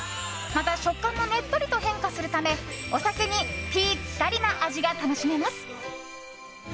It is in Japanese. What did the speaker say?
また食感もねっとりと変化するためお酒にぴったりな味が楽しめます。